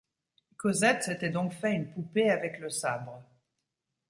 Cosette s’était donc fait une poupée avec le sabre.